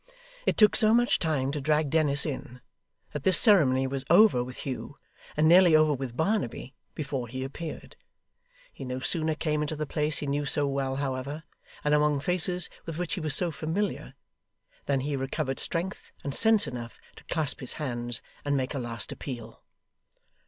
It took so much time to drag Dennis in, that this ceremony was over with Hugh, and nearly over with Barnaby, before he appeared. He no sooner came into the place he knew so well, however, and among faces with which he was so familiar, than he recovered strength and sense enough to clasp his hands and make a last appeal.